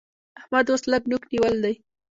احمد اوس لږ نوک نيول دی